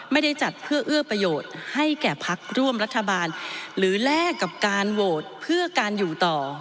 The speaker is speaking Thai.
ไม่ได้จัดเพื่อเอื้อประโยชน์ให้แก่พักร่วมรัฐบาลหรือแลกกับการโหวตเพื่อการอยู่ต่อ